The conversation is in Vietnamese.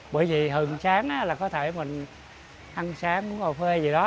bởi vì hừng sáng là có thể mình ăn sáng uống cà phê gì đó